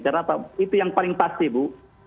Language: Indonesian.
karena itu yang paling pasti bu